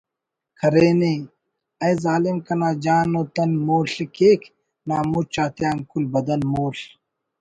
کرینے: ''اے ظالم کنا جان و تن مول/ کیک نا مُچ آتیان کل بدن مول/